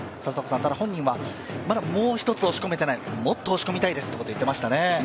ただ、本人はまだもう一つ押し込めていない、もっと押し込みたいと言っていましたね。